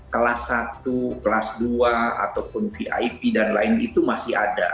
kelas satu kelas dua ataupun vip dan lain itu masih ada